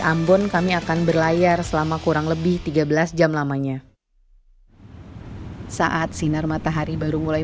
ambon kami akan berlayar selama kurang lebih tiga belas jam lamanya saat sinar matahari baru mulai